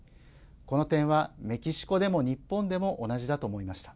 この点は、メキシコでも日本でも同じだと思いました。